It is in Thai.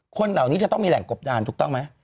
คนเหล่านี้จะต้องมีแหล่งกบดานถูกต้องไหม